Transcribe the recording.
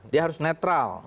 dia harus netral